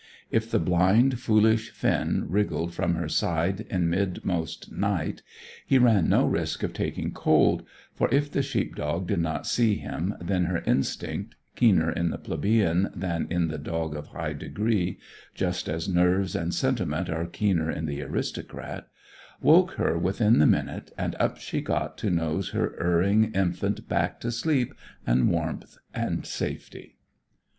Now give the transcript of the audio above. If the blind, foolish Finn wriggled from her side in mid most night, he ran no risk of taking cold, for if the sheep dog did not see him, then her instinct (keener in the plebeian than in the dog of high degree, just as nerves and sentiment are keener in the aristocrat) woke her within the minute, and up she got to nose her erring infant back to sleep and warmth and safety.